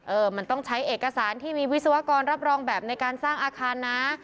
มันต้องใช้เอกสารที่มีวิศวกรรับรองแบบในการสร้างอาคารนะ